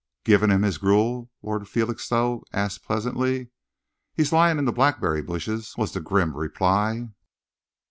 "Given him his gruel?" Lord Felixstowe asked pleasantly. "He's lying in the blackberry bushes," was the grim reply.